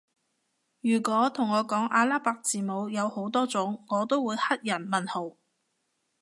如果同我講阿拉伯字母有好多種我都會黑人問號